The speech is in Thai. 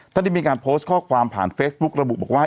ได้มีการโพสต์ข้อความผ่านเฟซบุ๊กระบุบอกว่า